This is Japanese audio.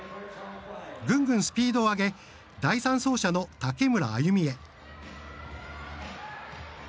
ぐんぐんスピードを上げ第３走者の竹村明結美へ。